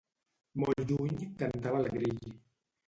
Molt lluny cantava un grill.